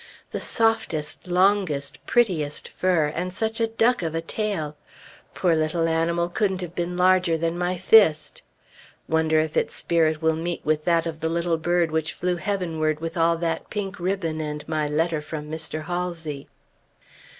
The softest, longest, prettiest fur, and such a duck of a tail! Poor little animal couldn't have been larger than my fist. Wonder if its spirit will meet with that of the little bird which flew heavenward with all that pink ribbon and my letter from Mr. Halsey?